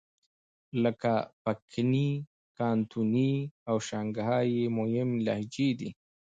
لکه پکني، کانتوني او شانګهای یې مهمې لهجې دي.